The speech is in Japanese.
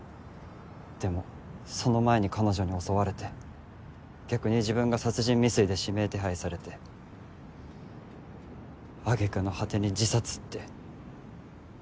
でもその前に彼女に襲われて逆に自分が殺人未遂で指名手配されて揚げ句の果てに自殺って。